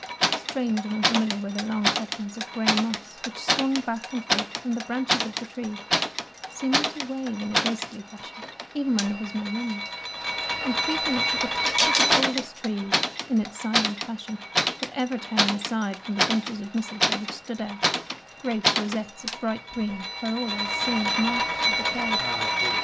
Strange and unfamiliar were the long curtains of grey moss which swung back and forth from the branches of the trees, seeming to wave in a ghostly fashion even when there was no wind, and creeping up to the tops of the tall est trees in its silent fashion, but ever turning aside from the bunches of mis tletoe which stood out, great rosettes of bright green where all else seemed marked for decay.